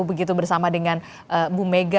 begitu bersama dengan bu mega